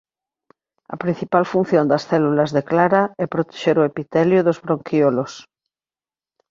A principal función das células de Clara é protexer o epitelio dos bronquíolos.